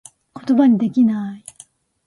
ことばにできなぁい